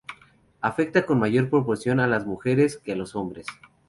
Afecta con mayor proporción a las mujeres que a los hombres.